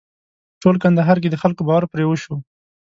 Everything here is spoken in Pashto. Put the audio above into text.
په ټول کندهار کې د خلکو باور پرې وشو.